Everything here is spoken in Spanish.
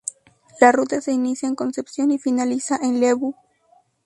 La ruta se inicia en Concepción y finaliza en Lebu.